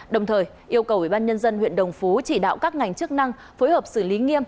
đồng thời yêu cầu ubnd huyện đồng phú chỉ đạo các ngành chức năng phối hợp xử lý nghiêm